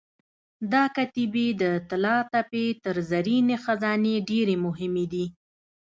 دا کتیبې د طلاتپې تر زرینې خزانې ډېرې مهمې دي.